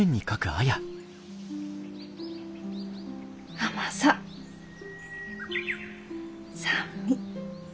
甘さ酸味。